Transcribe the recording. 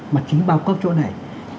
mà chính bao cấp chỗ này